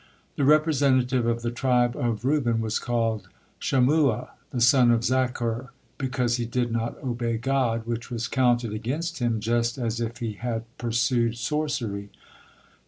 The representative of the tribe of Reuben was called Shammua, the son of Zaccur, because he did not obey God, which was counted against him just as if he had pursued sorcery.